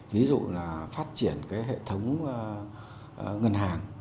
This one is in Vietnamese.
ví dụ là phát triển cái hệ thống ngân hàng